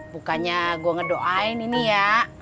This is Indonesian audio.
bukannya gue ngedoain ini ya